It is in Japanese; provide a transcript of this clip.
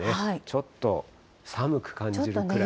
ちょっと寒く感じるくらい。